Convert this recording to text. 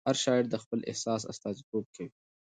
هر شاعر د خپل احساس استازیتوب کوي.